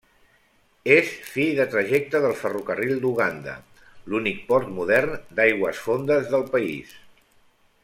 És fi de trajecte del ferrocarril d'Uganda, i únic port modern d'aigües fondes del país.